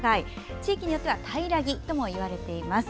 地域によってはタイラギともいわれています。